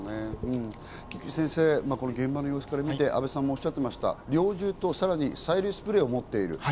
菊地先生、現場の様子から見て阿部さんもおっしゃっていました、猟銃とさらに催涙スプレーを持っている。